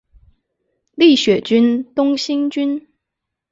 立雪郡东兴郡